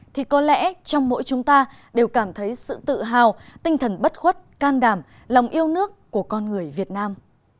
thì có lẽ trong mỗi chúng ta đều cảm thấy sự tự hào tinh thần bất khuất can đảm lòng yêu nước của con người việt nam